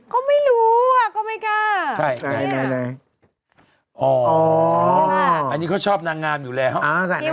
ก็ไม่รู้อ่ะอันนี้ก็ชอบนางงามอยู่แล้ว